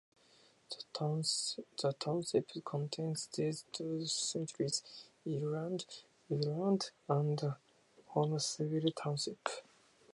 The township contains these two cemeteries: Egelund Lutheran and Holmesville Township.